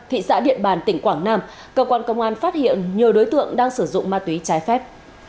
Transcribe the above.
thị xã điện bàn tỉnh quảng nam cơ quan công an phát hiện nhiều đối tượng đang sử dụng ma túy trái phép